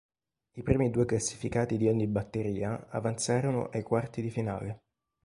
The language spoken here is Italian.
I primi due classificati di ogni batteria avanzarono ai quarti di finale.